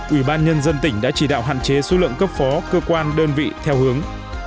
ủy ban nhân dân tỉnh đã chỉ đạo hạn chế số lượng cấp phó cơ quan đơn vị theo hướng